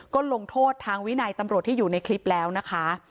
ก็ลงโทษทางวินัยตำรวจที่อยู่ในคลิปแล้วนะคะ